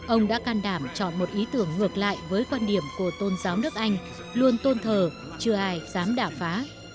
ông đã can đảm chọn một ý tưởng ngược lại với quan điểm của tôn giáo nước anh luôn tôn thờ chưa ai dám đà phá